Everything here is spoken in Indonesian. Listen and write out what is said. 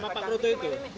bapak proto itu